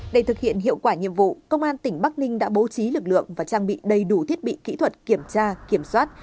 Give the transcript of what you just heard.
để thực hiện hiệu quả nhiệm vụ công an tỉnh bắc ninh đã bố trí lực lượng và trang bị đầy đủ thiết bị kỹ thuật kiểm tra kiểm soát